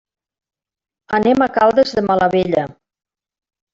Anem a Caldes de Malavella.